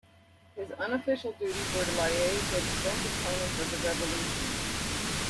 His unofficial duties were to liaise with French opponents of the Revolution.